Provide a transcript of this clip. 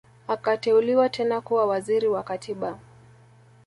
Akateuliwa tena kuwa Waziri wa Katiba